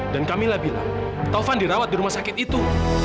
dan kamilah bilang taufan dirawat di rumah sakit itu